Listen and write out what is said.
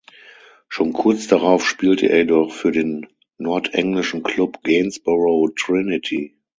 Schon kurz darauf spielte er jedoch für den nordenglischen Klub Gainsborough Trinity.